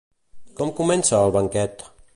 Com comença el "Banquet"?